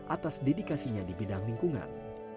atas dedikasinya di bidang lingkungan